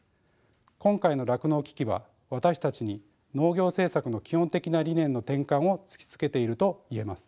今回の酪農危機は私たちに農業政策の基本的な理念の転換を突きつけていると言えます。